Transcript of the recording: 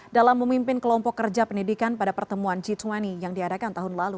dalam memimpin kelompok kerja pendidikan pada pertemuan g dua puluh yang diadakan tahun lalu